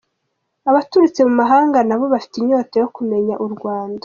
Abaturutse mu mahanga nabo bafite inyota yo kumenya u Rwanda.